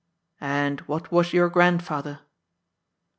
" And what was your grandfather